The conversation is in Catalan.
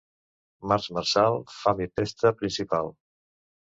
Març marçal, fam i pesta principal.